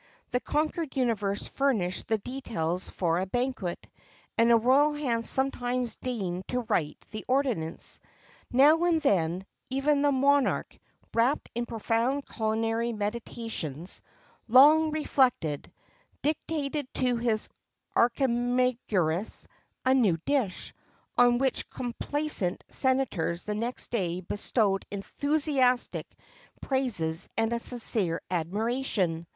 The conquered universe furnished the details for a banquet, and a royal hand sometimes deigned to write the ordinance. Now and then, even the monarch, wrapped in profound culinary meditations, long reflected, dictated to his Archimagirus a new dish, on which complaisant senators the next day bestowed enthusiastic praises and a sincere admiration.